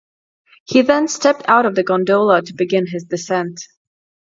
He then stepped out of the gondola to begin his descent.